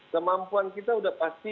jadi kemampuan kita sudah pasti bisa